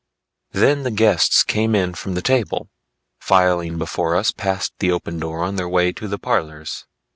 Then the guests came in from the table, filing before us past the open door on their way to the parlors.